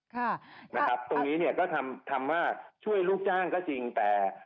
ครับตรงนี้ทำว่าช่วยลูกจ้างก็จริงแต่